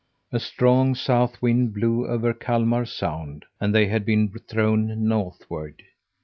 A strong south wind blew over Kalmar Sound, and they had been thrown northward.